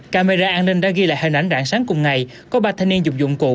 camera an ninh đã ghi lại hình ảnh rạng sáng cùng ngày có ba thanh niên dùng dụng cụ